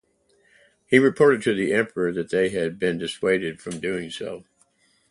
He reported to the Emperor that they had been dissuaded from doing so.